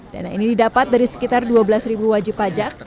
dana ini didapat dari sekitar dua belas wajib pajak